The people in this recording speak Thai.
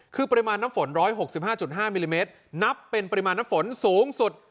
คือปริมาณน้ำฝน๑๖๕๕มิลลิเมตรนับเป็นปริมาณน้ำฝนสูงสุด